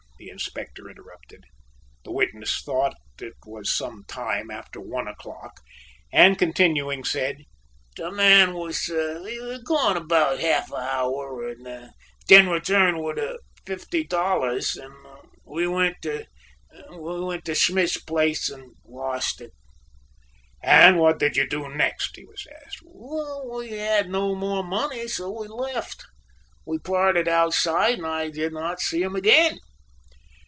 the Inspector interrupted. The witness thought "it was some time after one o'clock," and continuing said, "the man was gone about half an hour and then returned with the fifty dollars and we went to Smith's place and lost it." "And what did you do next?" he was asked. "We had no more money and so we left. We parted outside and I did not see him again."